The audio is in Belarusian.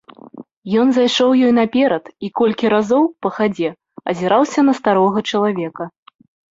Ён зайшоў ёй наперад і колькі разоў, па хадзе, азіраўся на старога чалавека.